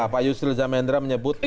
pak yusril zamedra menyebut pasal